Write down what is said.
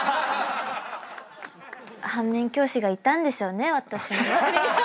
反面教師がいたんでしょうね。